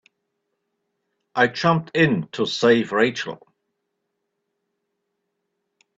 I jumped in to save Rachel.